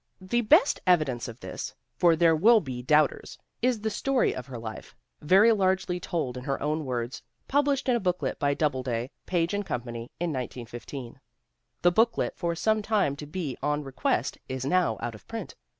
The best evidence of this for there will be doubt ers is the story of her life, very largely told in her own words, published in a booklet by Doubleday, Page & Company in 1915. The booklet, for some time to be had on request, is now out of print.